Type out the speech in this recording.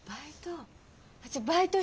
バイト？